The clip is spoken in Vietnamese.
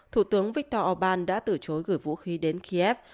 thủ tướng viktor orbán đã từ chối gửi vũ khí đến kiev